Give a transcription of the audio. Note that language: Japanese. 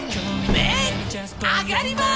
麺上がります！